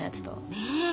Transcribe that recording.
ねえ。